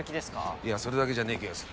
いやそれだけじゃねぇ気がする。